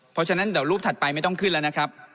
เพราะฉะนั้นเดี๋ยวรูปถัดไปไม่ต้องขึ้นแล้วนะครับ